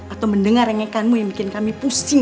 atau mendengar rengekanmu yang bikin kami pusing